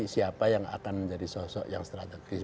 siapa yang akan menjadi sosok yang strategis